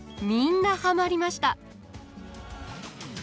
みんなハマりました。